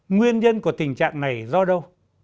nguyên nhân của tình trạng này do đâu